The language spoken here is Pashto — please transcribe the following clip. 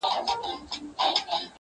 • كه څه هم تور پاته سم سپين نه سمه.